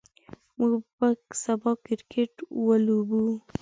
موږ به سبا کرکټ ولوبو.